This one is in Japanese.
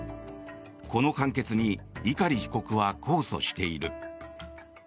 この判決に碇被告は控訴している。